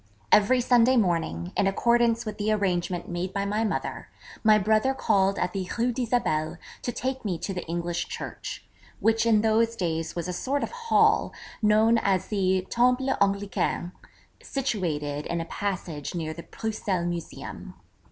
Every Sunday morning, in accordance with the arrangement made by my mother, my brother called at the Rue d'Isabelle to take me to the English Church, which in those days was a sort of hall, known as the 'Temple Anglican,' situated in a passage near the Bruxelles Museum.